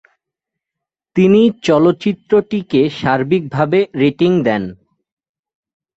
তিনি চলচ্চিত্রটিকে সার্বিকভাবে রেটিং দেন।